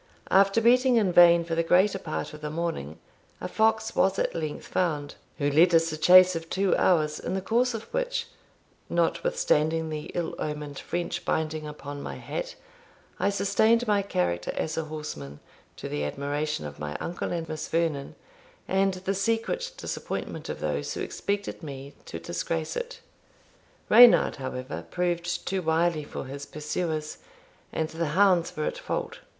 After beating in vain for the greater part of the morning, a fox was at length found, who led us a chase of two hours, in the course of which, notwithstanding the ill omened French binding upon my hat, I sustained my character as a horseman to the admiration of my uncle and Miss Vernon, and the secret disappointment of those who expected me to disgrace it. Reynard, however, proved too wily for his pursuers, and the hounds were at fault.